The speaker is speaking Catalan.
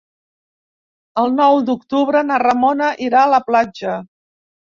El nou d'octubre na Ramona irà a la platja.